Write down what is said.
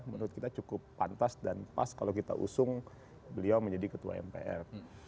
menurut kita cukup pantas dan pas kalau kita usung beliau menjadi ketua mpr